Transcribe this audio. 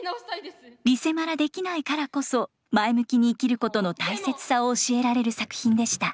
リセマラできないからこそ前向きに生きることの大切さを教えられる作品でした。